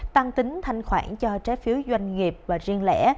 tăng tính thanh khoản cho trái phiếu doanh nghiệp và riêng lẻ